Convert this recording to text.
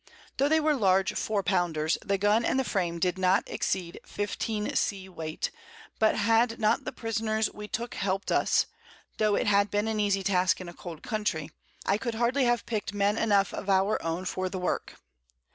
Tho' they were large 4 Pounders, the Gun and the Frame did not exceed 15 C. Weight; but had not the Prisoners we took help'd us (tho' it had been an easy Task in a cold Country) I could hardly have pick'd Men enough of our own for the Work.